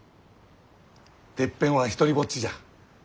てっぺんは独りぼっちじゃ。